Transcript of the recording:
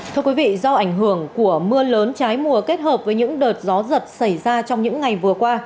thưa quý vị do ảnh hưởng của mưa lớn trái mùa kết hợp với những đợt gió giật xảy ra trong những ngày vừa qua